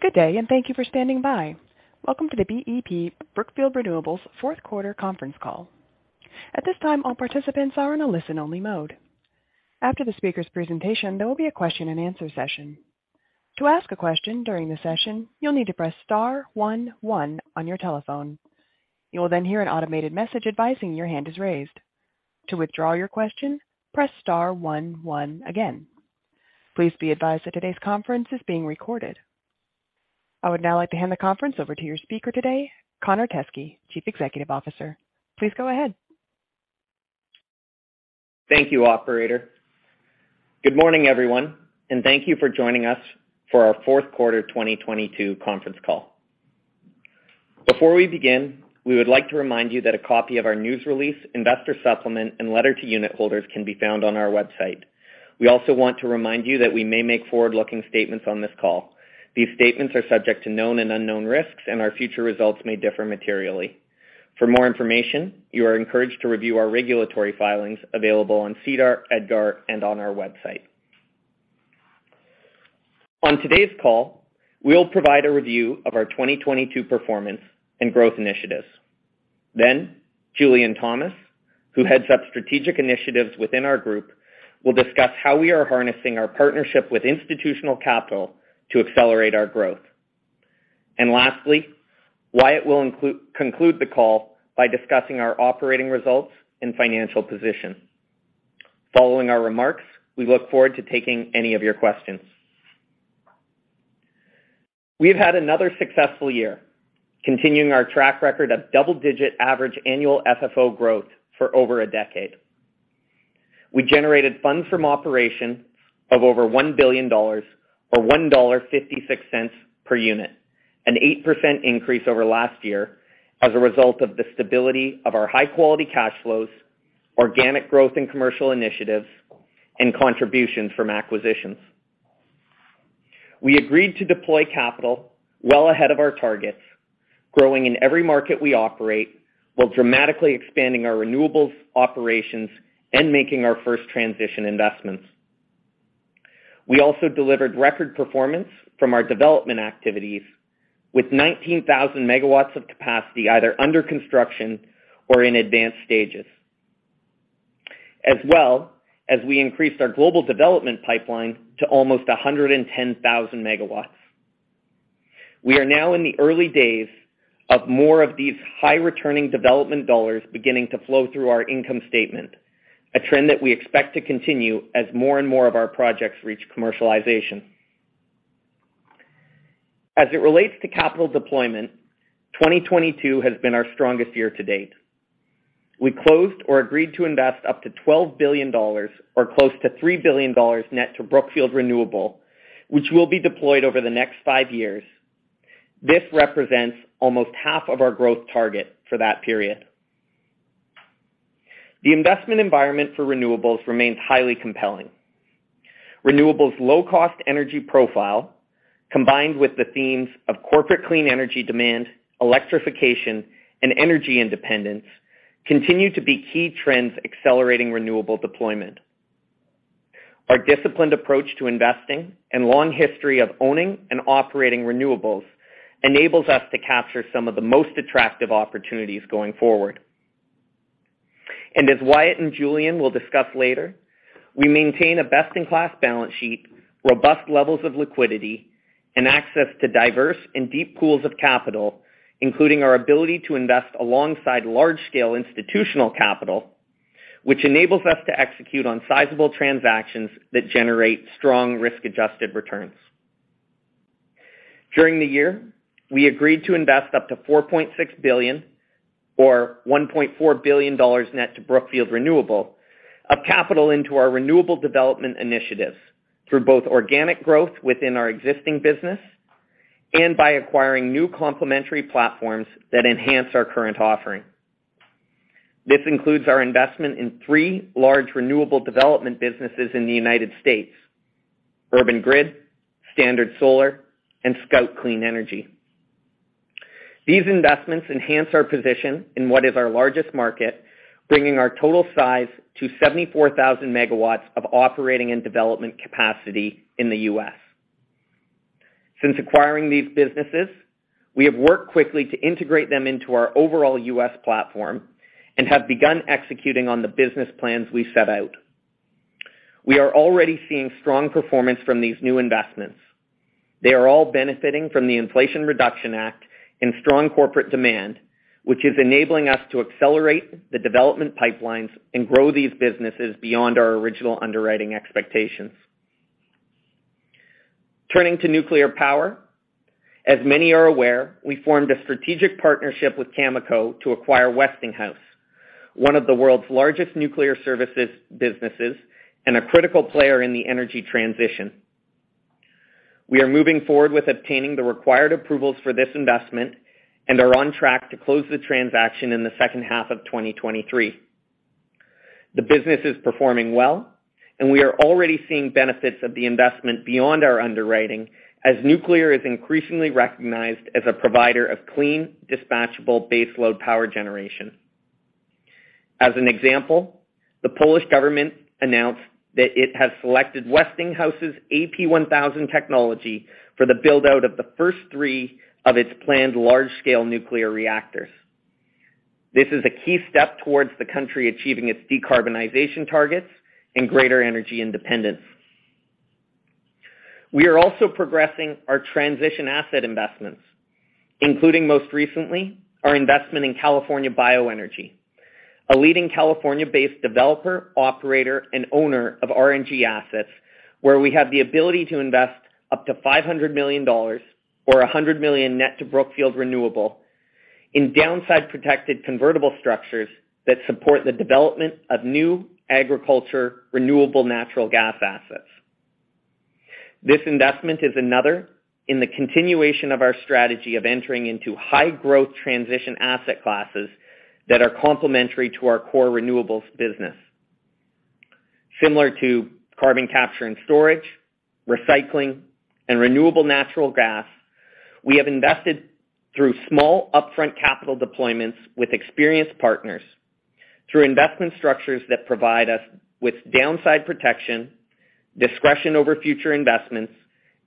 Good day, and thank you for standing by. Welcome to the BEP Brookfield Renewable fourth quarter conference call. At this time, all participants are in a listen-only mode. After the speaker's presentation, there will be a question-and-answer session. To ask a question during the session, you'll need to press star one one on your telephone. You will then hear an automated message advising your hand is raised. To withdraw your question, press star one one again. Please be advised that today's conference is being recorded. I would now like to hand the conference over to your speaker today, Connor Teskey, Chief Executive Officer. Please go ahead. Thank you, operator. Good morning, everyone, and thank you for joining us for our fourth-quarter 2022 conference call. Before we begin, we would like to remind you that a copy of our news release, investor supplement, and letter to unit holders can be found on our website. We also want to remind you that we may make forward-looking statements on this call. These statements are subject to known and unknown risks, and our future results may differ materially. For more information, you are encouraged to review our regulatory filings available on SEDAR, EDGAR, and on our website. On today's call, we'll provide a review of our 2022 performance and growth initiatives. Julian Deschâtelets, who heads up strategic initiatives within our group, will discuss how we are harnessing our partnership with institutional capital to accelerate our growth. Lastly, Wyatt will conclude the call by discussing our operating results and financial position. Following our remarks, we look forward to taking any of your questions. We've had another successful year, continuing our track record of double-digit average annual FFO growth for over a decade. We generated funds from operations of over $1 billion or $1.56 per unit, an 8% increase over last year as a result of the stability of our high-quality cash flows, organic growth in commercial initiatives, and contributions from acquisitions. We agreed to deploy capital well ahead of our targets, growing in every market we operate while dramatically expanding our renewables operations and making our first transition investments. We also delivered record performance from our development activities with 19,000 MW of capacity either under construction or in advanced stages, as well as we increased our global development pipeline to almost 110,000 MW. We are now in the early days of more of these high-returning development dollars beginning to flow through our income statement, a trend that we expect to continue as more and more of our projects reach commercialization. As it relates to capital deployment, 2022 has been our strongest year to date. We closed or agreed to invest up to $12 billion or close to $3 billion net to Brookfield Renewable, which will be deployed over the next five years. This represents almost half of our growth target for that period. The investment environment for renewables remains highly compelling. Renewables' low-cost energy profile, combined with the themes of corporate clean energy demand, electrification, and energy independence, continue to be key trends accelerating renewable deployment. Our disciplined approach to investing and long history of owning and operating renewables enables us to capture some of the most attractive opportunities going forward. As Wyatt and Julian will discuss later, we maintain a best-in-class balance sheet, robust levels of liquidity, and access to diverse and deep pools of capital, including our ability to invest alongside large-scale institutional capital, which enables us to execute on sizable transactions that generate strong risk-adjusted returns. During the year, we agreed to invest up to $4.6 billion or $1.4 billion net to Brookfield Renewable of capital into our renewable development initiatives through both organic growth within our existing business and by acquiring new complementary platforms that enhance our current offering. This includes our investment in three large renewable development businesses in the U.S.: Urban Grid, Standard Solar, and Scout Clean Energy. These investments enhance our position in what is our largest market, bringing our total size to 74,000 MW of operating and development capacity in the U.S. Since acquiring these businesses, we have worked quickly to integrate them into our overall U.S. platform and have begun executing on the business plans we set out. We are already seeing strong performance from these new investments. They are all benefiting from the Inflation Reduction Act and strong corporate demand, which is enabling us to accelerate the development pipelines and grow these businesses beyond our original underwriting expectations. Turning to nuclear power, as many are aware, we formed a strategic partnership with Cameco to acquire Westinghouse, one of the world's largest nuclear services businesses and a critical player in the energy transition. We are moving forward with obtaining the required approvals for this investment and are on track to close the transaction in the second half of 2023. The business is performing well, and we are already seeing benefits of the investment beyond our underwriting as nuclear is increasingly recognized as a provider of clean, dispatchable baseload power generation. As an example, the Polish government announced that it has selected Westinghouse's AP1000 technology for the build-out of the first three of its planned large-scale nuclear reactors. This is a key step towards the country achieving its decarbonization targets and greater energy independence. We are also progressing our transition asset investments, including, most recently, our investment in California Bioenergy, a leading California-based developer, operator, and owner of RNG assets, where we have the ability to invest up to $500 million, or $100 million net to Brookfield Renewable, in downside-protected convertible structures that support the development of new agriculture renewable natural gas assets. This investment is another in the continuation of our strategy of entering into high-growth transition asset classes that are complementary to our core renewables business. Similar to carbon capture and storage, recycling, and renewable natural gas, we have invested through small upfront capital deployments with experienced partners through investment structures that provide us with downside protection, discretion over future investments,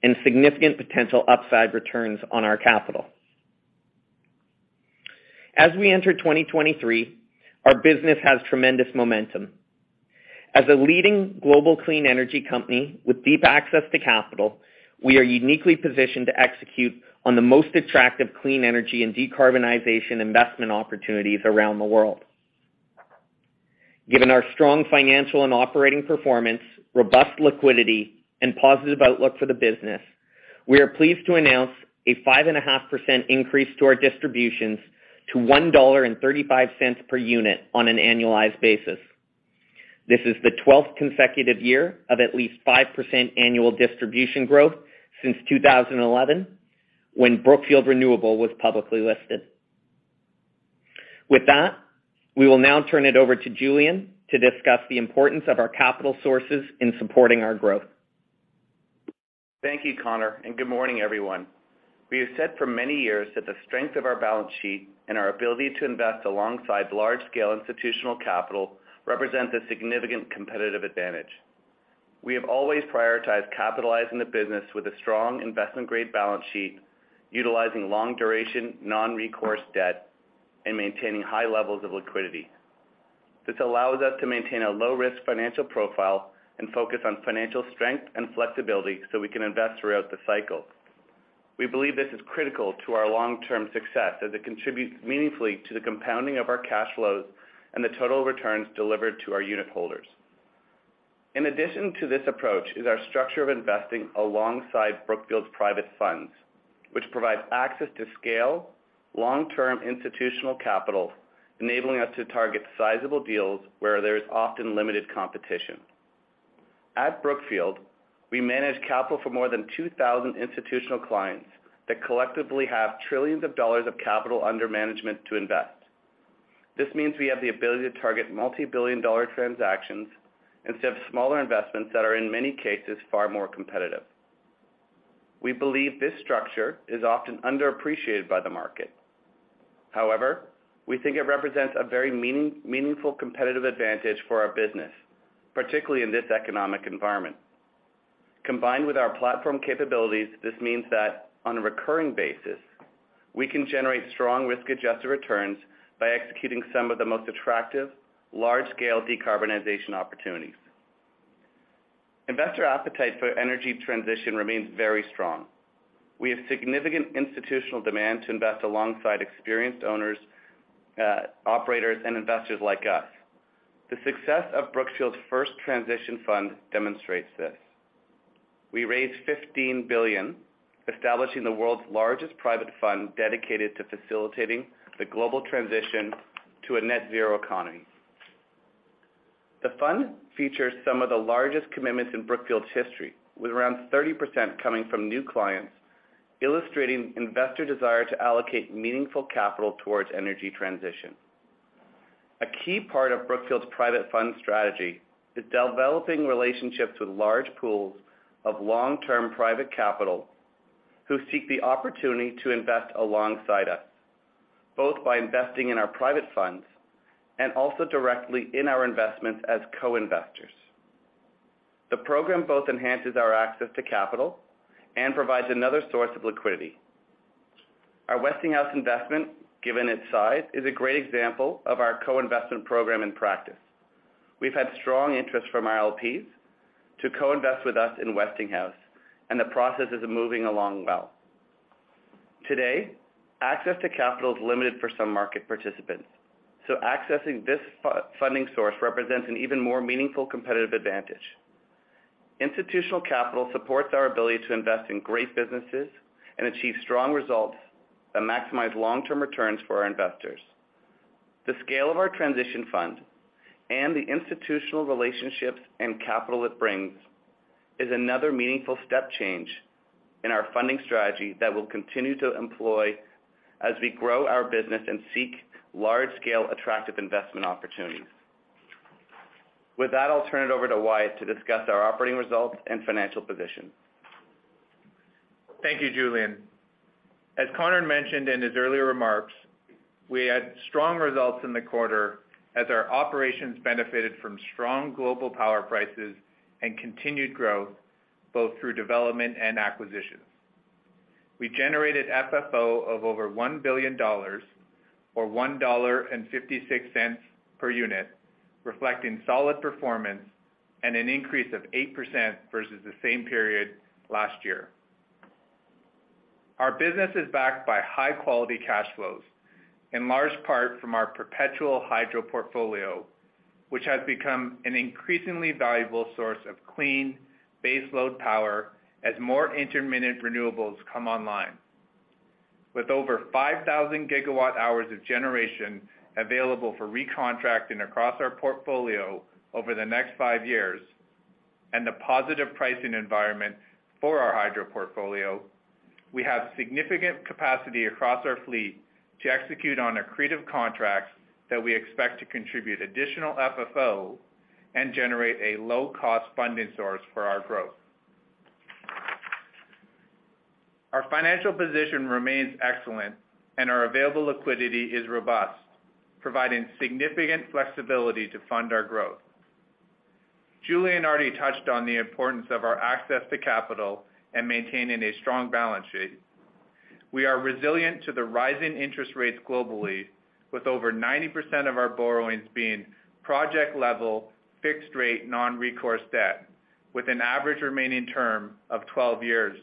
and significant potential upside returns on our capital. As we enter 2023, our business has tremendous momentum. As a leading global clean energy company with deep access to capital, we are uniquely positioned to execute on the most attractive clean energy and decarbonization investment opportunities around the world. Given our strong financial and operating performance, robust liquidity, and positive outlook for the business, we are pleased to announce a 5.5% increase to our distributions to $1.35 per unit on an annualized basis. This is the 12th consecutive year of at least 5% annual distribution growth since 2011, when Brookfield Renewable was publicly listed. With that, we will now turn it over to Julian to discuss the importance of our capital sources in supporting our growth. Thank you, Connor, and good morning, everyone. We have said for many years that the strength of our balance sheet and our ability to invest alongside large-scale institutional capital represents a significant competitive advantage. We have always prioritized capitalizing the business with a strong investment-grade balance sheet, utilizing long-duration, non-recourse debt and maintaining high levels of liquidity. This allows us to maintain a low-risk financial profile and focus on financial strength and flexibility so we can invest throughout the cycle. We believe this is critical to our long-term success as it contributes meaningfully to the compounding of our cash flows and the total returns delivered to our unitholders. In addition to this approach is our structure of investing alongside Brookfield's private funds, which provides access to scale, long-term institutional capital, enabling us to target sizable deals where there is often limited competition. At Brookfield, we manage capital for more than 2,000 institutional clients that collectively have trillions of dollars of capital under management to invest. This means we have the ability to target multi-billion-dollar transactions instead of smaller investments that are, in many cases, far more competitive. We believe this structure is often underappreciated by the market. However, we think it represents a very meaningful competitive advantage for our business, particularly in this economic environment. Combined with our platform capabilities, this means that on a recurring basis, we can generate strong risk-adjusted returns by executing some of the most attractive large-scale decarbonization opportunities. Investor appetite for energy transition remains very strong. We have significant institutional demand to invest alongside experienced owners, operators, and investors like us. The success of Brookfield's first transition fund demonstrates this. We raised $15 billion, establishing the world's largest private fund dedicated to facilitating the global transition to a net-zero economy. The fund features some of the largest commitments in Brookfield's history, with around 30% coming from new clients, illustrating investor desire to allocate meaningful capital towards energy transition. A key part of Brookfield's private fund strategy is developing relationships with large pools of long-term private capital who seek the opportunity to invest alongside us, both by investing in our private funds and also directly in our investments as co-investors. The program both enhances our access to capital and provides another source of liquidity. Our Westinghouse investment, given its size, is a great example of our co-investment program in practice. We've had strong interest from our LPs to co-invest with us in Westinghouse, and the process is moving along well. Today, access to capital is limited for some market participants, so accessing this funding source represents an even more meaningful competitive advantage. Institutional capital supports our ability to invest in great businesses and achieve strong results that maximize long-term returns for our investors. The scale of our transition fund and the institutional relationships and capital it brings is another meaningful step change in our funding strategy that we'll continue to employ as we grow our business and seek large-scale, attractive investment opportunities. With that, I'll turn it over to Wyatt to discuss our operating results and financial position. Thank you, Julian. As Connor mentioned in his earlier remarks, we had strong results in the quarter as our operations benefited from strong global power prices and continued growth, both through development and acquisitions. We generated FFO of over $1 billion or $1.56 per unit, reflecting solid performance and an increase of 8% versus the same period last year. Our business is backed by high-quality cash flows, in large part from our perpetual hydro portfolio, which has become an increasingly valuable source of clean baseload power as more intermittent renewables come online. With over 5,000 GWh of generation available for recontracting across our portfolio over the next five years and the positive pricing environment for our hydro portfolio, we have significant capacity across our fleet to execute on accretive contracts that we expect to contribute additional FFO and generate a low-cost funding source for our growth. Our financial position remains excellent, and our available liquidity is robust, providing significant flexibility to fund our growth. Julian already touched on the importance of our access to capital and maintaining a strong balance sheet. We are resilient to the rising interest rates globally, with over 90% of our borrowings being project-level, fixed-rate, non-recourse debt, with an average remaining term of 12 years,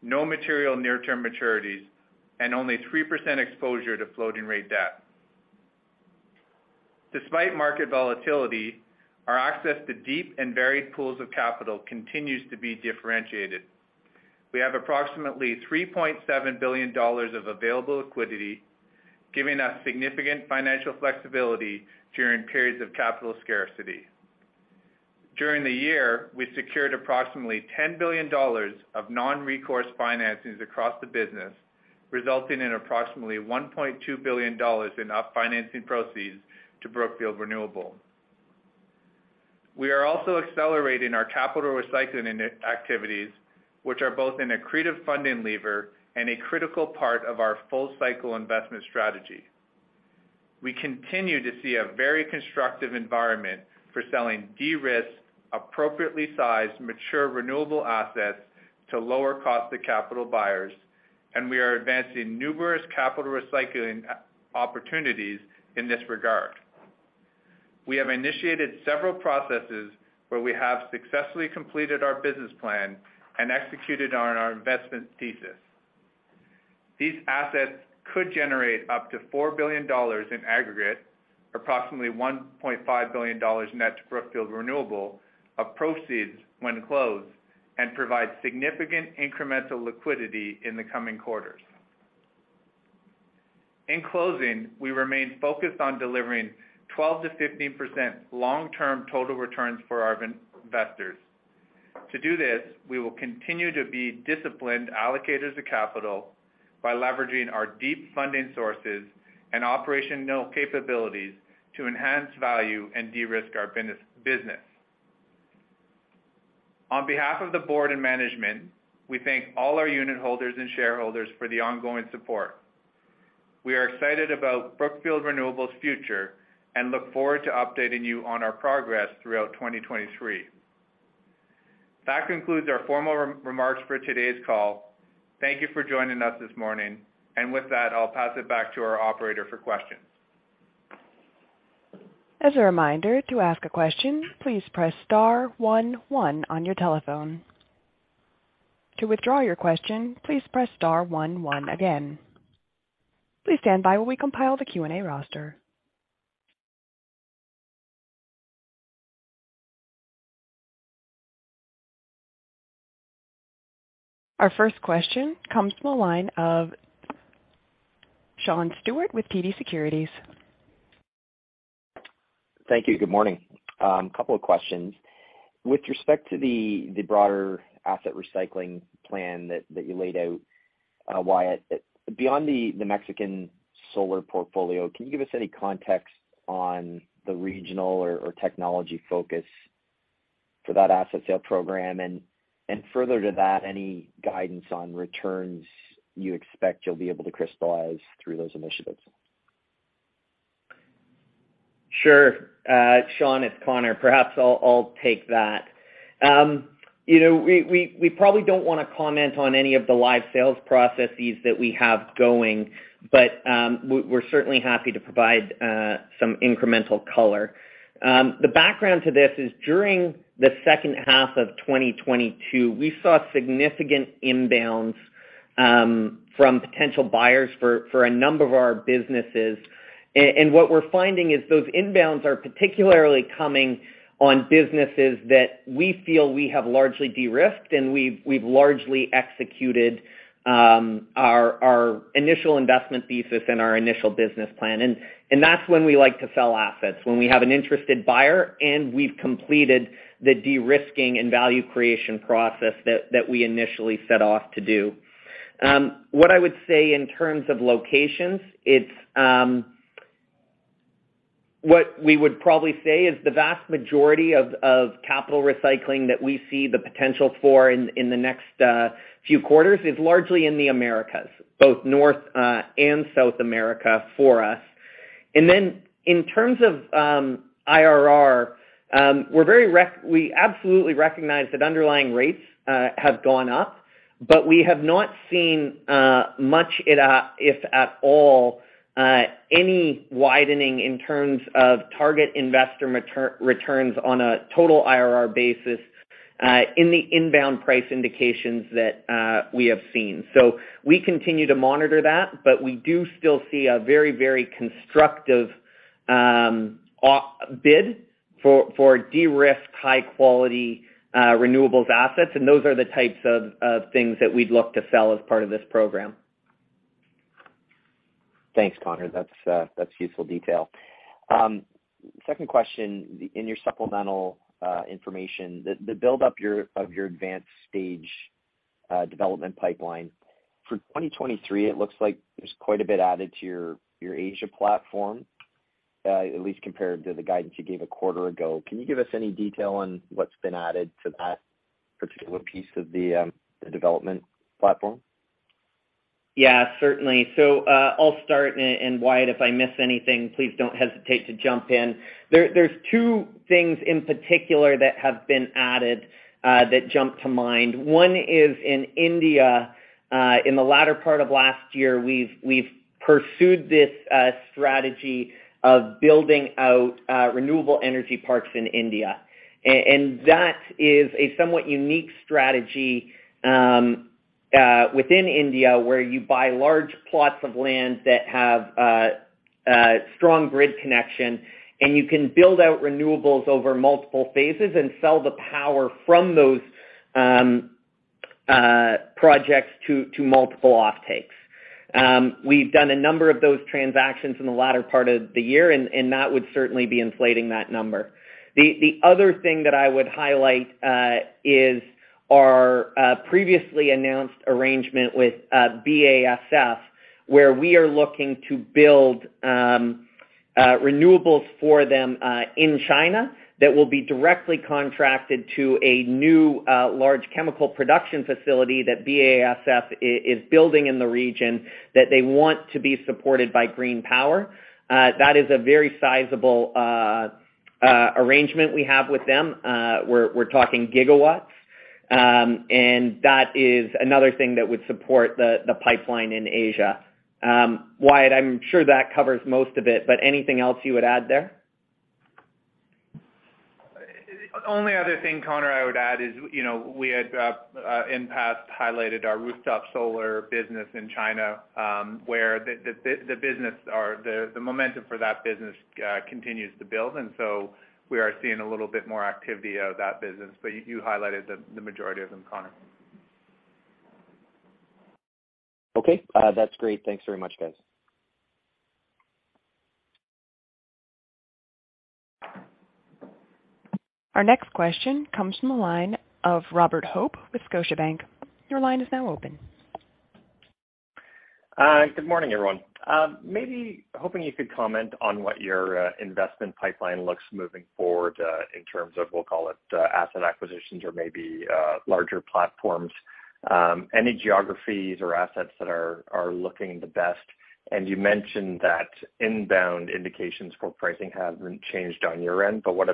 no material near-term maturities, and only 3% exposure to floating-rate debt. Despite market volatility, our access to deep and varied pools of capital continues to be differentiated. We have approximately $3.7 billion of available liquidity, giving us significant financial flexibility during periods of capital scarcity. During the year, we secured approximately $10 billion of non-recourse financings across the business, resulting in approximately $1.2 billion in upfinancing proceeds to Brookfield Renewable. We are also accelerating our capital recycling activities, which are both an accretive funding lever and a critical part of our full-cycle investment strategy. We continue to see a very constructive environment for selling de-risked, appropriately sized, mature renewable assets to lower cost of capital buyers, and we are advancing numerous capital recycling opportunities in this regard. We have initiated several processes where we have successfully completed our business plan and executed on our investment thesis. These assets could generate up to $4 billion in aggregate, approximately $1.5 billion net to Brookfield Renewable of proceeds when closed and provide significant incremental liquidity in the coming quarters. In closing, we remain focused on delivering 12%-15% long-term total returns for our investors. To do this, we will continue to be disciplined allocators of capital by leveraging our deep funding sources and operational capabilities to enhance value and de-risk our business. On behalf of the board and management, we thank all our unitholders and shareholders for the ongoing support. We are excited about Brookfield Renewable's future and look forward to updating you on our progress throughout 2023. That concludes our formal remarks for today's call. Thank you for joining us this morning. With that, I'll pass it back to our operator for questions. As a reminder, to ask a question, please press star one one on your telephone. To withdraw your question, please press star one one again. Please stand by while we compile the Q&A roster. Our first question comes from the line of Sean Steuart with TD Securities. Thank you. Good morning. Couple of questions. With respect to the broader asset recycling plan that you laid out, Wyatt. Beyond the Mexican solar portfolio, can you give us any context on the regional or technology focus for that asset sale program? Further to that, any guidance on returns you expect you'll be able to crystallize through those initiatives? Sure. Sean, it's Connor. Perhaps I'll take that. You know, we probably don't wanna comment on any of the live sales processes that we have going, but we're certainly happy to provide some incremental color. The background to this is during the second half of 2022, we saw significant inbounds from potential buyers for a number of our businesses. What we're finding is those inbounds are particularly coming on businesses that we feel we have largely de-risked, and we've largely executed our initial investment thesis and our initial business plan. That's when we like to sell assets, when we have an interested buyer, and we've completed the de-risking and value creation process that we initially set off to do. What I would say in terms of locations, it's what we would probably say is the vast majority of capital recycling that we see the potential for in the next few quarters is largely in the Americas, both North and South America for us. In terms of IRR, we absolutely recognize that underlying rates have gone up, but we have not seen much if at all any widening in terms of target investor returns on a total IRR basis in the inbound price indications that we have seen. We continue to monitor that, but we do still see a very, very constructive bid for de-risked, high-quality renewables assets, and those are the types of things that we'd look to sell as part of this program. Thanks, Connor. That's, that's useful detail. Second question, in your supplemental information, the buildup of your advanced stage development pipeline. For 2023, it looks like there's quite a bit added to your Asia platform, at least compared to the guidance you gave a quarter ago. Can you give us any detail on what's been added to that particular piece of the development platform? Yeah, certainly. I'll start and Wyatt, if I miss anything, please don't hesitate to jump in. There's two things in particular that have been added that jump to mind. One is in India, in the latter part of last year, we've pursued this strategy of building out renewable energy parks in India. And that is a somewhat unique strategy within India, where you buy large plots of land that have strong grid connection, and you can build out renewables over multiple phases and sell the power from those projects to multiple offtakers. We've done a number of those transactions in the latter part of the year, and that would certainly be inflating that number. The other thing that I would highlight is our previously announced arrangement with BASF, where we are looking to build renewables for them in China that will be directly contracted to a new large chemical production facility that BASF is building in the region that they want to be supported by green power. That is a very sizable arrangement we have with them. We're talking gigawatts. That is another thing that would support the pipeline in Asia. Wyatt, I'm sure that covers most of it, but anything else you would add there? Only other thing, Connor, I would add is, you know, we had in past highlighted our rooftop solar business in China, where the business or the momentum for that business continues to build. We are seeing a little bit more activity out of that business. You highlighted the majority of them, Connor. Okay. That's great. Thanks very much, guys. Our next question comes from the line of Robert Hope with Scotiabank. Your line is now open. Good morning, everyone. Maybe hoping you could comment on what your investment pipeline looks moving forward, in terms of, we'll call it, asset acquisitions or maybe larger platforms. Any geographies or assets that are looking the best? You mentioned that inbound indications for pricing haven't changed on your end, but what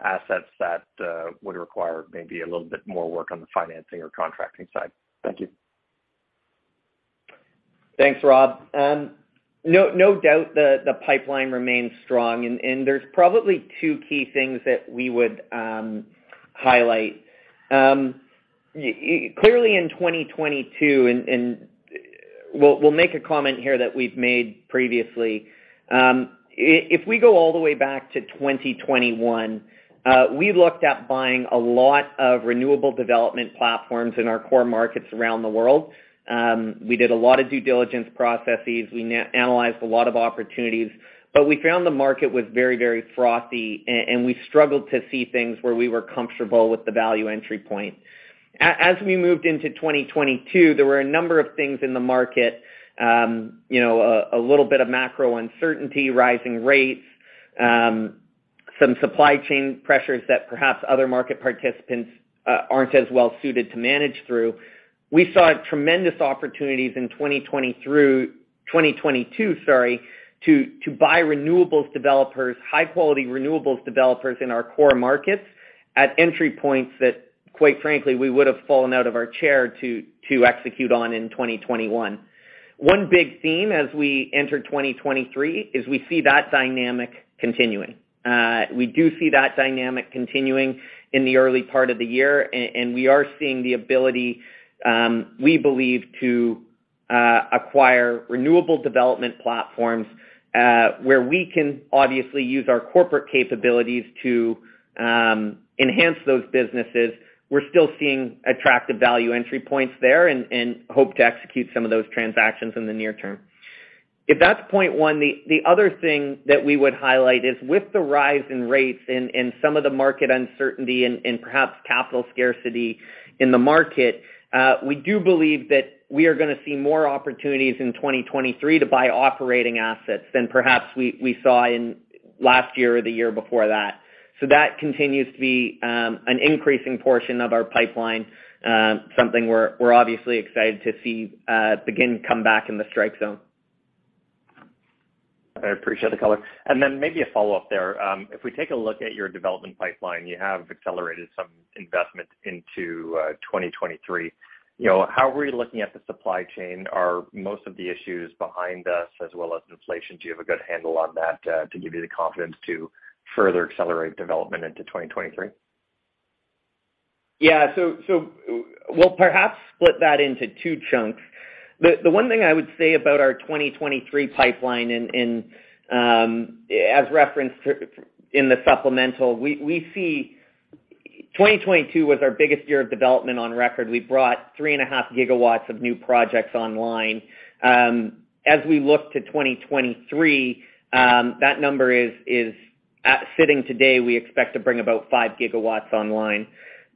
about assets that would require maybe a little bit more work on the financing or contracting side? Thank you. Thanks, Rob. No, no doubt the pipeline remains strong. There's probably 2 key things that we would highlight. Clearly in 2022, and we'll make a comment here that we've made previously. If we go all the way back to 2021, we looked at buying a lot of renewable development platforms in our core markets around the world. We did a lot of due diligence processes. We analyzed a lot of opportunities, but we found the market was very, very frothy, and we struggled to see things where we were comfortable with the value entry point. As we moved into 2022, there were a number of things in the market, you know, a little bit of macro uncertainty, rising rates, some supply chain pressures that perhaps other market participants aren't as well suited to manage through. We saw tremendous opportunities in 2022, sorry, to buy renewables developers, high quality renewables developers in our core markets at entry points that quite frankly, we would have fallen out of our chair to execute on in 2021. One big theme as we enter 2023 is we see that dynamic continuing. We do see that dynamic continuing in the early part of the year, and we are seeing the ability, we believe to acquire renewable development platforms, where we can obviously use our corporate capabilities to enhance those businesses. We're still seeing attractive value entry points there and hope to execute some of those transactions in the near term. If that's point one, the other thing that we would highlight is with the rise in rates and some of the market uncertainty and perhaps capital scarcity in the market, we do believe that we are gonna see more opportunities in 2023 to buy operating assets than perhaps we saw in last year or the year before that. That continues to be an increasing portion of our pipeline, something we're obviously excited to see begin to come back in the strike zone. I appreciate the color. Then maybe a follow-up there. If we take a look at your development pipeline, you have accelerated some investment into 2023. You know, how are we looking at the supply chain? Are most of the issues behind us as well as inflation, do you have a good handle on that to give you the confidence to further accelerate development into 2023? Yeah. Well, perhaps split that into two chunks. The one thing I would say about our 2023 pipeline in, as referenced in the supplemental, we see... 2022 was our biggest year of development on record. We brought 3.5 GW of new projects online. As we look to 2023, that number is sitting today, we expect to bring about 5 GW online.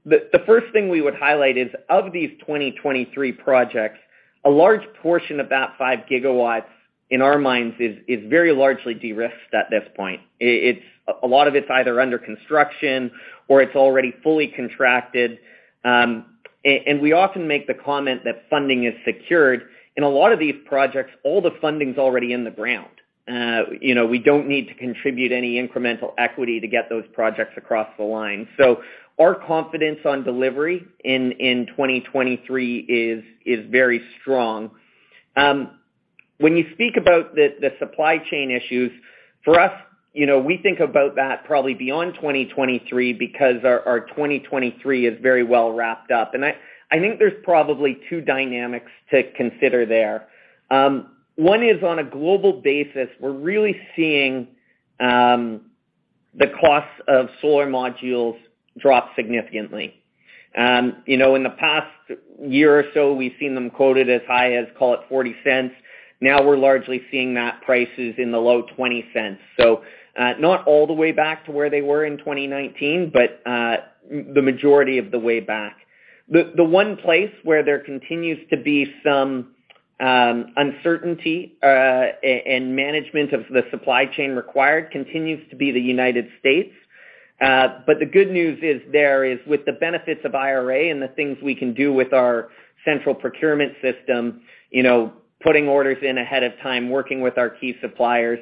The first thing we would highlight is, of these 2023 projects, a large portion of that 5 GW, in our minds, is very largely de-risked at this point. A lot of it's either under construction or it's already fully contracted. And we often make the comment that funding is secured. In a lot of these projects, all the funding's already in the ground. You know, we don't need to contribute any incremental equity to get those projects across the line. Our confidence on delivery in 2023 is very strong. When you speak about the supply chain issues, for us, you know, we think about that probably beyond 2023 because our 2023 is very well wrapped up. I think there's probably 2 dynamics to consider there. One is on a global basis, we're really seeing the costs of solar modules drop significantly. You know, in the past year or so, we've seen them quoted as high as, call it $0.40. Now we're largely seeing that prices in the low $0.20. Not all the way back to where they were in 2019, but the majority of the way back. The one place where there continues to be some uncertainty and management of the supply chain required continues to be the United States. The good news is there is with the benefits of IRA and the things we can do with our central procurement system, you know, putting orders in ahead of time, working with our key suppliers,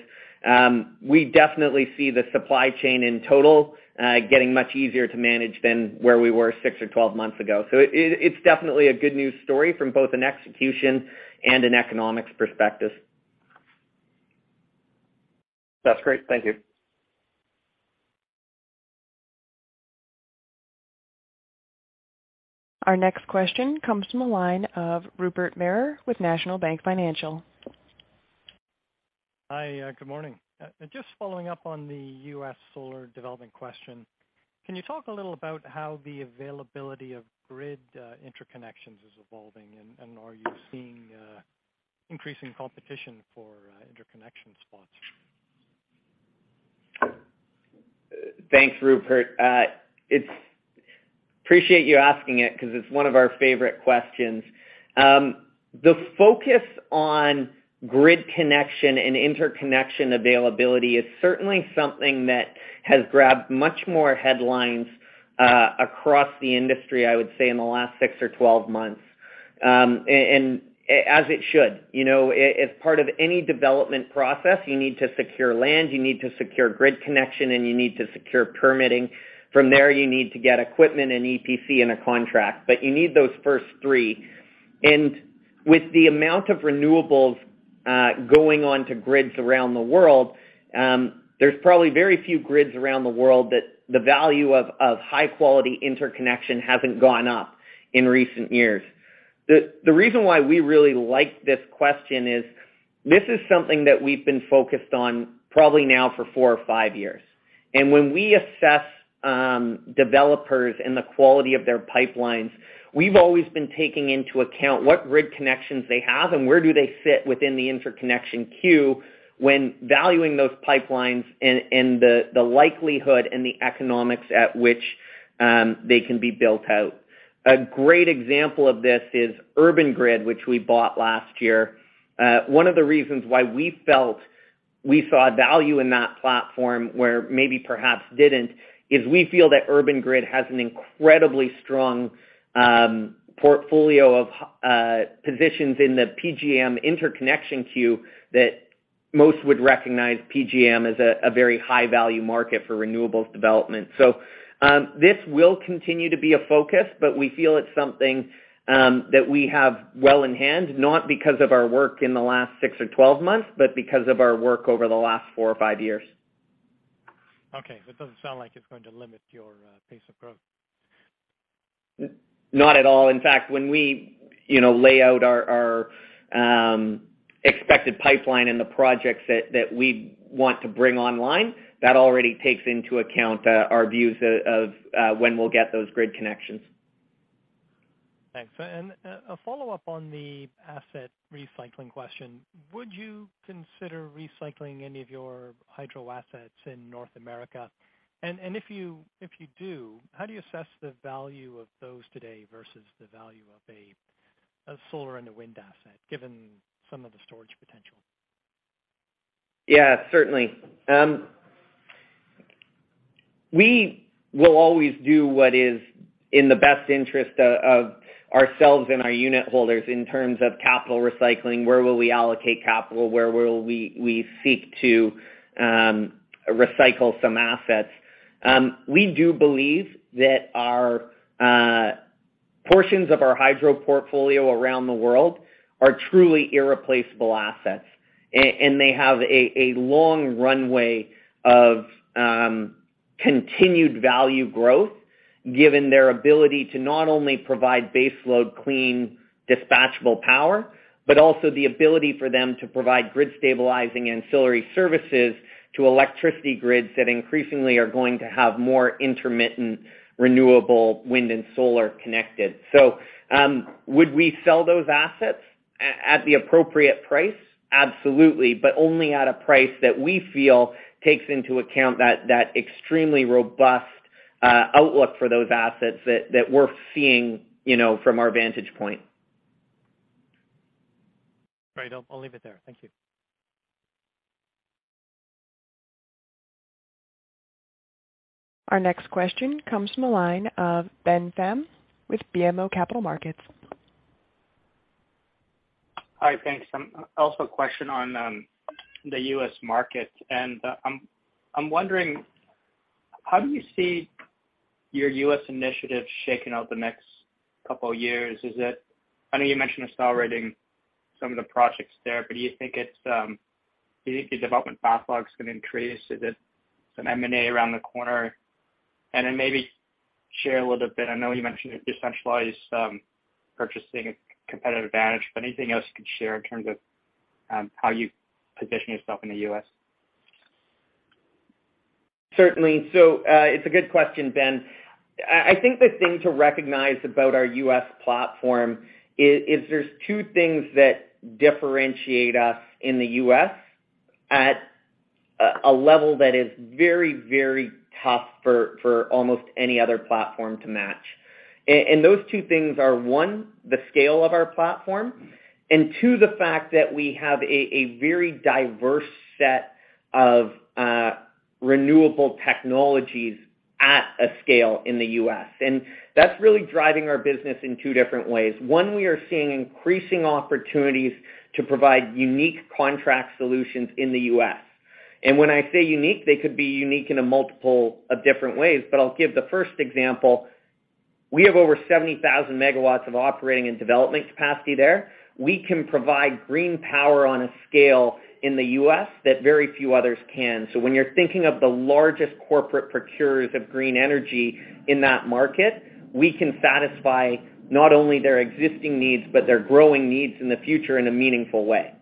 we definitely see the supply chain in total getting much easier to manage than where we were six or 12 months ago. It's definitely a good news story from both an execution and an economics perspective. That's great. Thank you. Our next question comes from the line of Rupert Merer with National Bank Financial. Hi. Good morning. Just following up on the U.S. solar development question, can you talk a little about how the availability of grid interconnections is evolving and are you seeing increasing competition for interconnection spots? Thanks, Rupert. Appreciate you asking it because it's one of our favorite questions. The focus on grid connection and interconnection availability is certainly something that has grabbed much more headlines across the industry, I would say, in the last six or 12 months, and as it should. You know, as part of any development process, you need to secure land, you need to secure grid connection, and you need to secure permitting. From there, you need to get equipment and EPC in a contract. But you need those first three. With the amount of renewables going on to grids around the world, there's probably very few grids around the world that the value of high quality interconnection hasn't gone up in recent years. The reason why we really like this question is this is something that we've been focused on probably now for four or five years. When we assess developers and the quality of their pipelines, we've always been taking into account what grid connections they have and where do they fit within the interconnection queue when valuing those pipelines and the likelihood and the economics at which they can be built out. A great example of this is Urban Grid, which we bought last year. One of the reasons why we felt we saw value in that platform where maybe perhaps didn't, is we feel that Urban Grid has an incredibly strong portfolio of positions in the PJM interconnection queue that most would recognize PJM as a very high-value market for renewables development. This will continue to be a focus, but we feel it's something that we have well in hand, not because of our work in the last six or 12 months, but because of our work over the last four or five years. Okay. It doesn't sound like it's going to limit your pace of growth. Not at all. In fact, when we, you know, lay out our expected pipeline and the projects that we want to bring online, that already takes into account, our views of when we'll get those grid connections. Thanks. A follow-up on the asset recycling question. Would you consider recycling any of your hydro assets in North America? If you do, how do you assess the value of those today versus the value of a solar and a wind asset, given some of the storage potential? Yeah, certainly. We will always do what is in the best interest of ourselves and our unit holders in terms of capital recycling, where will we allocate capital, where will we seek to recycle some assets. We do believe that our portions of our hydro portfolio around the world are truly irreplaceable assets. They have a long runway of continued value growth, given their ability to not only provide baseload clean dispatchable power, but also the ability for them to provide grid stabilizing ancillary services to electricity grids that increasingly are going to have more intermittent, renewable wind and solar connected. Would we sell those assets at the appropriate price? Absolutely. Only at a price that we feel takes into account that extremely robust outlook for those assets that we're seeing, you know, from our vantage point. Great. I'll leave it there. Thank you. Our next question comes from the line of Ben Pham with BMO Capital Markets. Hi. Thanks. Also a question on the U.S. market. I'm wondering, how do you see your U.S. initiatives shaking out the next couple of years? I know you mentioned accelerating some of the projects there, but do you think the development backlogs can increase? Is it some M&A around the corner? Then maybe share a little bit, I know you mentioned decentralized purchasing competitive advantage, but anything else you could share in terms of how you position yourself in the U.S.? Certainly. It's a good question, Ben. I think the thing to recognize about our U.S. platform is there's two things that differentiate us in the U.S. at a level that is very, very tough for almost any other platform to match. Those two things are, one, the scale of our platform, and two, the fact that we have a very diverse set of renewable technologies at a scale in the U.S. That's really driving our business in two different ways. One, we are seeing increasing opportunities to provide unique contract solutions in the U.S. When I say unique, they could be unique in a multiple of different ways. I'll give the first example. We have over 70,000 MW of operating and development capacity there. We can provide green power on a scale in the U.S. that very few others can. When you're thinking of the largest corporate procurers of green energy in that market, we can satisfy not only their existing needs, but their growing needs in the future in a meaningful way.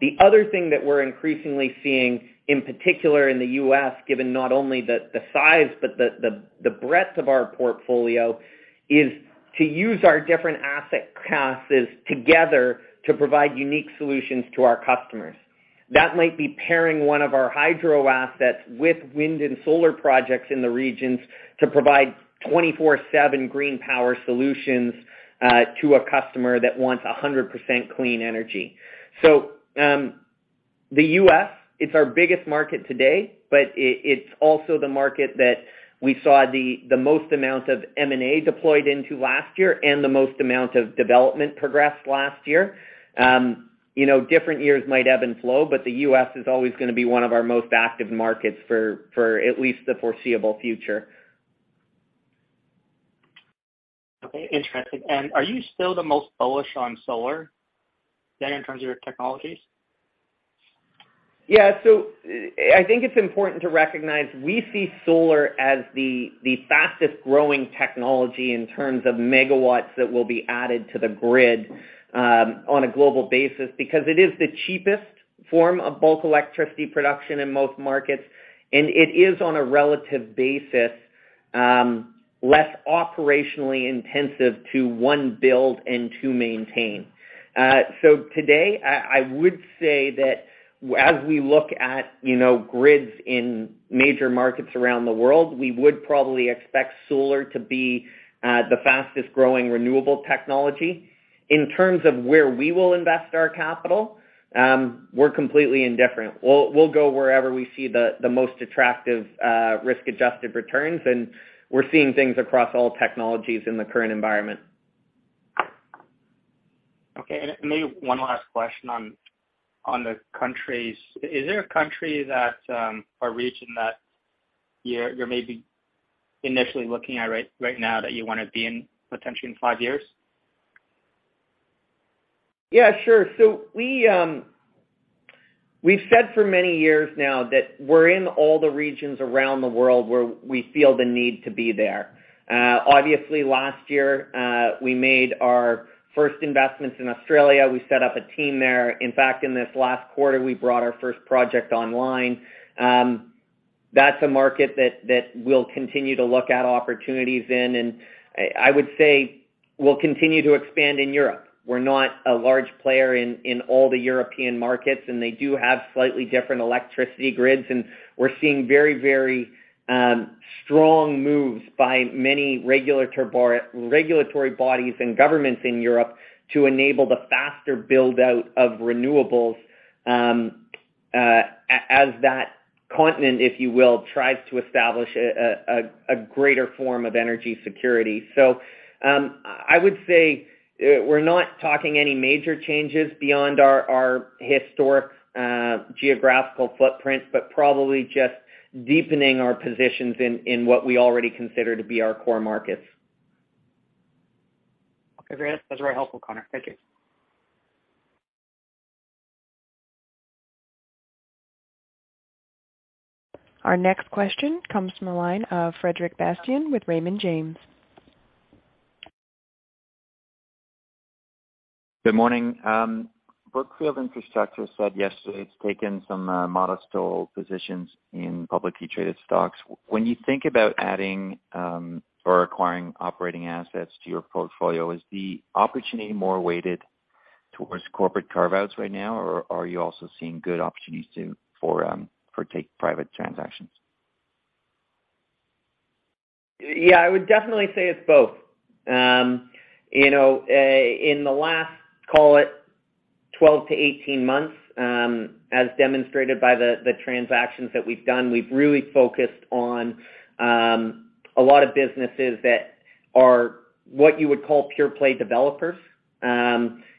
The other thing that we're increasingly seeing, in particular in the U.S., given not only the size, but the breadth of our portfolio, is to use our different asset classes together to provide unique solutions to our customers. That might be pairing one of our hydro assets with wind and solar projects in the regions to provide 24/7 green power solutions to a customer that wants 100% clean energy. The U.S., it's our biggest market today, but it's also the market that we saw the most amount of M&A deployed into last year and the most amount of development progressed last year. You know, different years might ebb and flow, the U.S. is always gonna be one of our most active markets for at least the foreseeable future. Okay, interesting. Are you still the most bullish on solar then in terms of your technologies? I think it's important to recognize, we see solar as the fastest-growing technology in terms of megawatts that will be added to the grid, on a global basis because it is the cheapest form of bulk electricity production in most markets, and it is on a relative basis, less operationally intensive to one, build and two, maintain. Today, I would say that as we look at, you know, grids in major markets around the world, we would probably expect solar to be the fastest-growing renewable technology. In terms of where we will invest our capital, we're completely indifferent. We'll go wherever we see the most attractive, risk-adjusted returns, and we're seeing things across all technologies in the current environment. Okay. Maybe one last question on the countries. Is there a country that or region that you're maybe initially looking at right now that you wanna be in potentially in five years? Yeah, sure. We've said for many years now that we're in all the regions around the world where we feel the need to be there. Obviously last year, we made our first investments in Australia. We set up a team there. In fact, in this last quarter, we brought our first project online. That's a market that we'll continue to look at opportunities in. I would say we'll continue to expand in Europe. We're not a large player in all the European markets, and they do have slightly different electricity grids. We're seeing very strong moves by many regulatory bodies and governments in Europe to enable the faster build-out of renewables as that continent, if you will, tries to establish a greater form of energy security. I would say, we're not talking any major changes beyond our historic, geographical footprints, but probably just deepening our positions in what we already consider to be our core markets. Okay, great. That's very helpful, Connor. Thank you. Our next question comes from the line of Frederic Bastien with Raymond James. Good morning. Brookfield Infrastructure said yesterday it's taken some, modest toehold positions in publicly traded stocks. When you think about adding, or acquiring operating assets to your portfolio, is the opportunity more weighted towards corporate carve-outs right now, or are you also seeing good opportunities for take-private transactions? Yeah, I would definitely say it's both. In the last, call it, 12-18 months, as demonstrated by the transactions that we've done, we've really focused on a lot of businesses that are what you would call pure-play developers.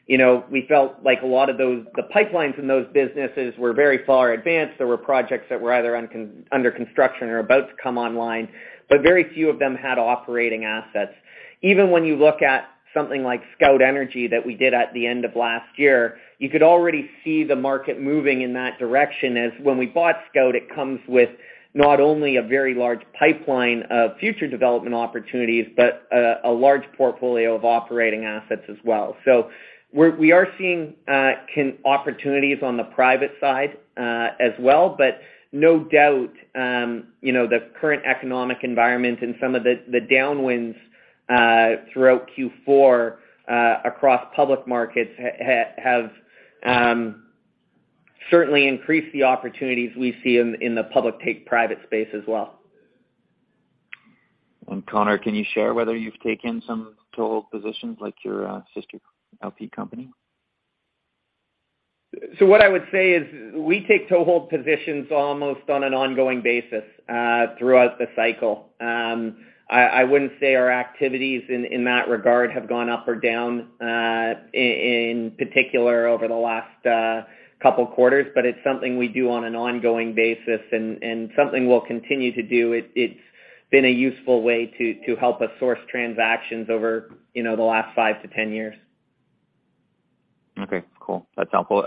We felt like the pipelines in those businesses were very far advanced. There were projects that were either under construction or about to come online, but very few of them had operating assets. Even when you look at something like Scout Clean Energy that we did at the end of last year, you could already see the market moving in that direction. As when we bought Scout, it comes with not only a very large pipeline of future development opportunities, but a large portfolio of operating assets as well. We are seeing opportunities on the private side as well, but no doubt, you know, the current economic environment and some of the downwinds throughout Q4 across public markets have certainly increased the opportunities we see in the public take-private space as well. Connor, can you share whether you've taken some toehold positions like your sister LP company? What I would say is we take toehold positions almost on an ongoing basis throughout the cycle. I wouldn't say our activities in that regard have gone up or down in particular over the last couple quarters, but it's something we do on an ongoing basis and something we'll continue to do. It's been a useful way to help us source transactions over, you know, the last five to 10 years. Okay, cool. That's helpful.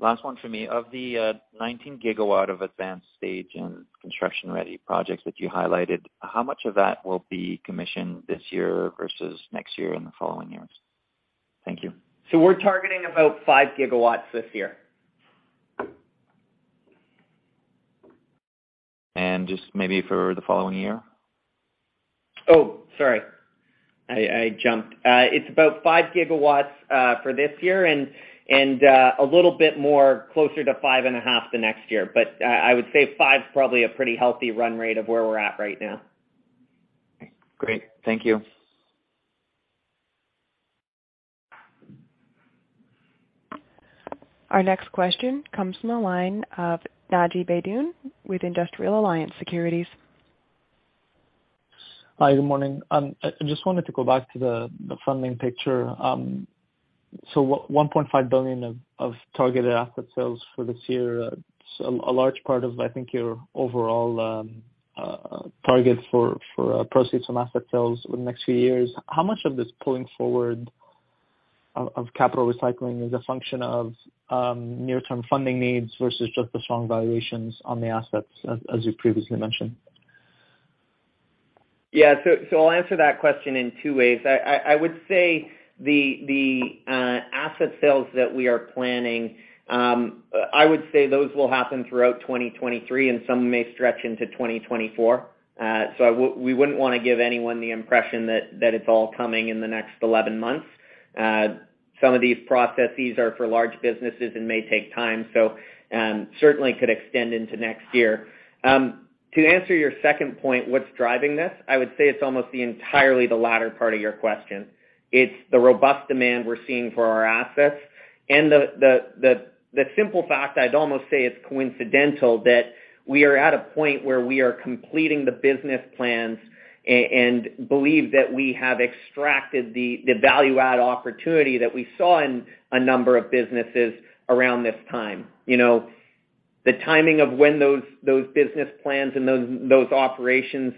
Last one for me. Of the 19 GW of advanced stage and construction-ready projects that you highlighted, how much of that will be commissioned this year versus next year and the following years? Thank you. We're targeting about 5 GW this year. Just maybe for the following year? Oh, sorry. I jumped. It's about 5 GW for this year and a little bit more closer to 5.5 the next year. I would say 5 is probably a pretty healthy run rate of where we're at right now. Great. Thank you. Our next question comes from the line of Naji Baydoun with Industrial Alliance Securities. Hi, good morning. I just wanted to go back to the funding picture. $1.5 billion of targeted asset sales for this year, a large part of, I think, your overall target for proceeds from asset sales over the next few years. How much of this pulling forward of capital recycling is a function of near-term funding needs versus just the strong valuations on the assets, as you previously mentioned? I'll answer that question in two ways. I would say the asset sales that we are planning, I would say those will happen throughout 2023, and some may stretch into 2024. We wouldn't wanna give anyone the impression that it's all coming in the next 11 months. Some of these processes are for large businesses and may take time, so certainly could extend into next year. To answer your second point, what's driving this? I would say it's almost the entirely the latter part of your question. It's the robust demand we're seeing for our assets and the simple fact, I'd almost say it's coincidental, that we are at a point where we are completing the business plans and believe that we have extracted the value-add opportunity that we saw in a number of businesses around this time. You know, the timing of when those business plans and those operations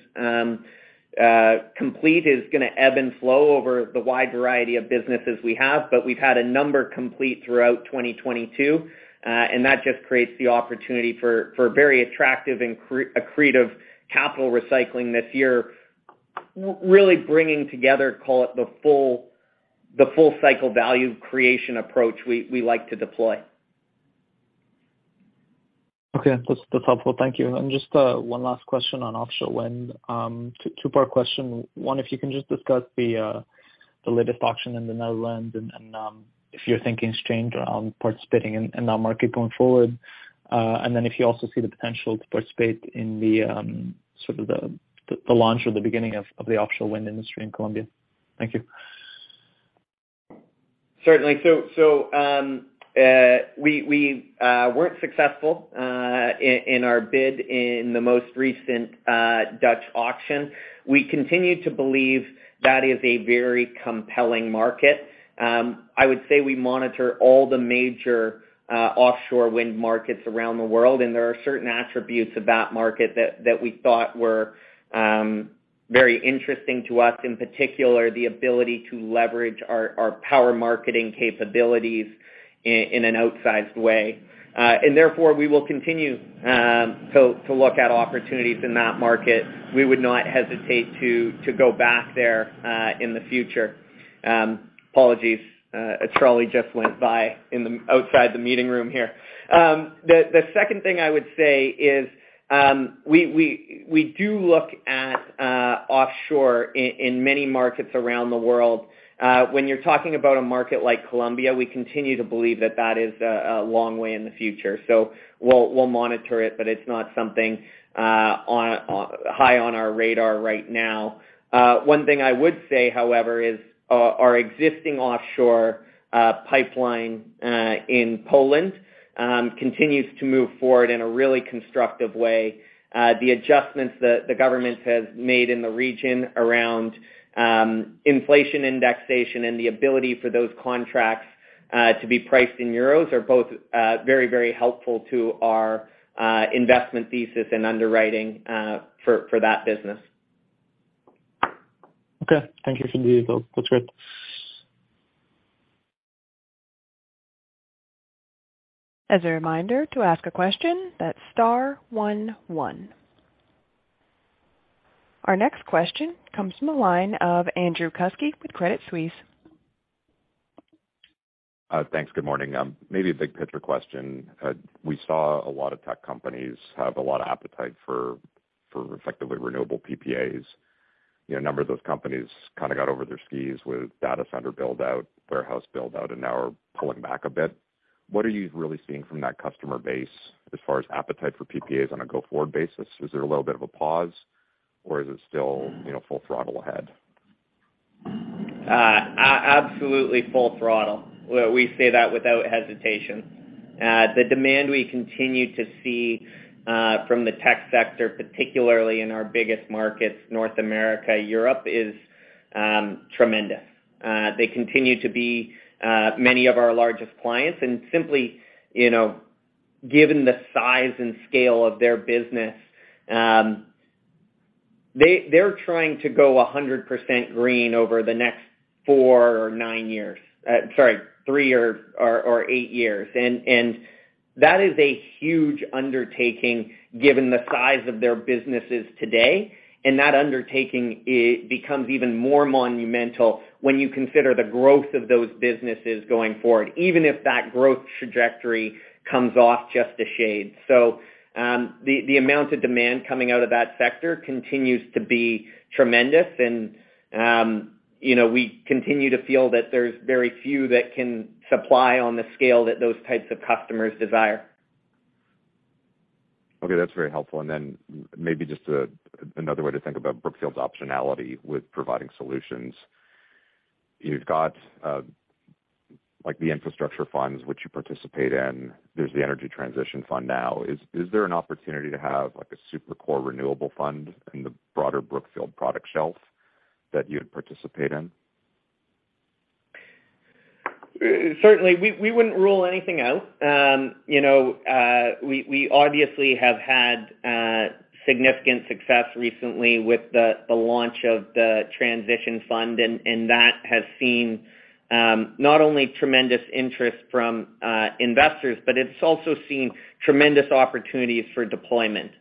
complete is gonna ebb and flow over the wide variety of businesses we have, but we've had a number complete throughout 2022, and that just creates the opportunity for very attractive and accretive capital recycling this year, really bringing together, call it the full-cycle value creation approach we like to deploy. Okay. That's, that's helpful. Thank you. Just one last question on offshore wind. Two-part question. One, if you can just discuss the latest auction in the Netherlands and, if you're thinking to change around participating in that market going forward. Then if you also see the potential to participate in the sort of the launch or the beginning of the offshore wind industry in Colombia. Thank you. Certainly. We weren't successful in our bid in the most recent Dutch auction. We continue to believe that is a very compelling market. I would say we monitor all the major offshore wind markets around the world, and there are certain attributes of that market that we thought were very interesting to us, in particular, the ability to leverage our power marketing capabilities in an outsized way. Therefore, we will continue to look at opportunities in that market. We would not hesitate to go back there in the future. Apologies, a trolley just went by outside the meeting room here. The second thing I would say is we do look at offshore in many markets around the world. When you're talking about a market like Colombia, we continue to believe that that is a long way in the future. We'll monitor it, but it's not something high on our radar right now. One thing I would say, however, is our existing offshore pipeline in Poland continues to move forward in a really constructive way. The adjustments the government has made in the region around inflation indexation and the ability for those contracts to be priced in euros are both very, very helpful to our investment thesis and underwriting for that business. Okay. Thank you for the detail. That's great. As a reminder, to ask a question, that's star one one. Our next question comes from the line of Andrew Kuske with Credit Suisse. Thanks. Good morning. Maybe a big picture question. We saw a lot of tech companies have a lot of appetite for effectively renewable PPAs. You know, a number of those companies kinda got over their skis with data center build-out, warehouse build-out, and now are pulling back a bit. What are you really seeing from that customer base as far as appetite for PPAs on a go-forward basis? Is there a little bit of a pause, or is it still, you know, full throttle ahead? Absolutely full throttle. We say that without hesitation. The demand we continue to see from the tech sector, particularly in our biggest markets, North America, Europe, is tremendous. They continue to be many of our largest clients and simply, you know, given the size and scale of their business, they're trying to go 100% green over the next four or nine years. Sorry, three or eight years. That is a huge undertaking given the size of their businesses today. That undertaking becomes even more monumental when you consider the growth of those businesses going forward, even if that growth trajectory comes off just a shade. The amount of demand coming out of that sector continues to be tremendous and, you know, we continue to feel that there's very few that can supply on the scale that those types of customers desire. Okay, that's very helpful. Then maybe just another way to think about Brookfield's optionality with providing solutions. You've got like the infrastructure funds which you participate in. There's the energy transition fund now. Is there an opportunity to have, like, a super core renewable fund in the broader Brookfield product shelf that you would participate in? Certainly. We wouldn't rule anything out. you know, we obviously have had significant success recently with the launch of the transition fund, and that has seen not only tremendous interest from investors, but it's also seen tremendous opportunities for deployment.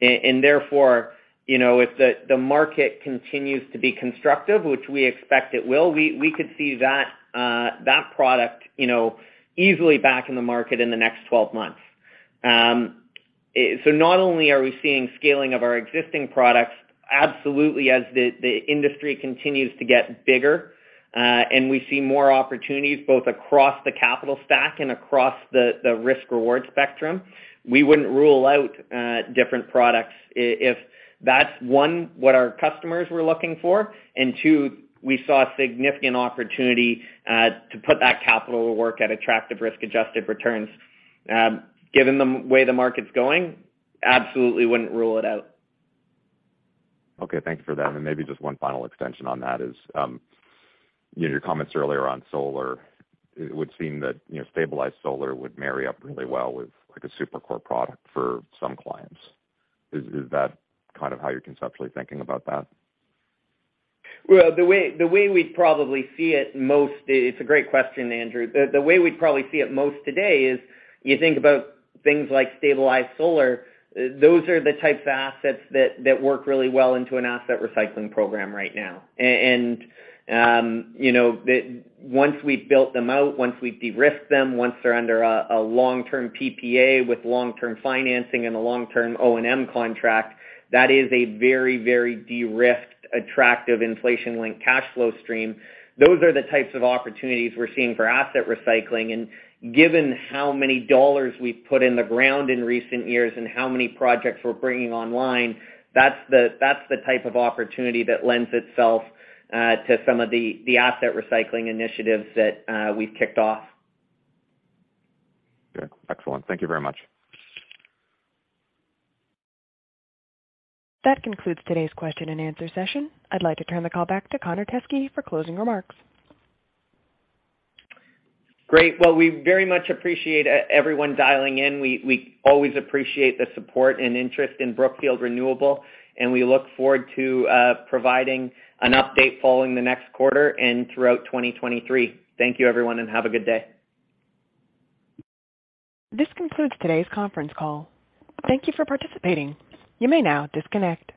Therefore, you know, if the market continues to be constructive, which we expect it will, we could see that product, you know, easily back in the market in the next 12 months. Not only are we seeing scaling of our existing products, absolutely as the industry continues to get bigger, and we see more opportunities both across the capital stack and across the risk-reward spectrum. We wouldn't rule out, different products if that's one, what our customers were looking for, and two, we saw significant opportunity to put that capital to work at attractive risk-adjusted returns. Given the way the market's going, absolutely wouldn't rule it out. Okay. Thank you for that. Maybe just one final extension on that is, you know, your comments earlier on solar, it would seem that, you know, stabilized solar would marry up really well with, like, a super core product for some clients. Is that kind of how you're conceptually thinking about that? Well, the way we'd probably see it most. It's a great question, Andrew. The way we'd probably see it most today is you think about things like stabilized solar, those are the types of assets that work really well into an asset recycling program right now. you know, Once we've built them out, once we've de-risked them, once they're under a long-term PPA with long-term financing and a long-term O&M contract, that is a very, very de-risked, attractive inflation-linked cash flow stream. Those are the types of opportunities we're seeing for asset recycling. Given how many dollars we've put in the ground in recent years and how many projects we're bringing online, that's the type of opportunity that lends itself to some of the asset recycling initiatives that we've kicked off. Okay. Excellent. Thank you very much. That concludes today's question and answer session. I'd like to turn the call back to Connor Teskey for closing remarks. Well, we very much appreciate everyone dialing in. We always appreciate the support and interest in Brookfield Renewable. We look forward to providing an update following the next quarter and throughout 2023. Thank you, everyone. Have a good day. This concludes today's conference call. Thank you for participating. You may now disconnect.